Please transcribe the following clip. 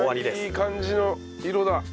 いい感じの色だ。